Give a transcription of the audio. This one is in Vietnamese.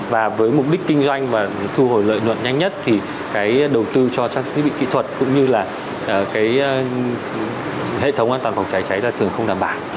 và với mục đích kinh doanh và thu hồi lợi nhuận nhanh nhất thì cái đầu tư cho các thiết bị kỹ thuật cũng như là cái hệ thống an toàn phòng cháy cháy là thường không đảm bảo